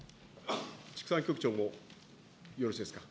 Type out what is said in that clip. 畜産局長もよろしいですか。